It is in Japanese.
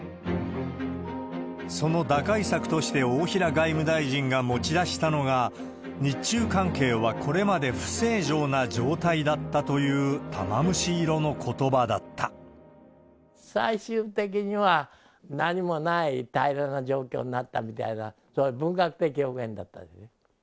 その打開策として大平外務大臣が持ち出したのが、日中関係はこれまで不正常な状態だったという、最終的には、何もない平らな状況になったみたいな、そういう文学的表現だったわけですね。